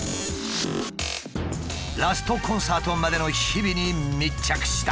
ラストコンサートまでの日々に密着した。